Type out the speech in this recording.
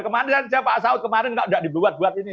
kemarin kan pak saud kemarin tidak dibuat buat ini